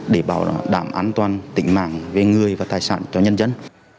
để bảo đảm an toàn tính mạng về người và tài sản cho nhân dân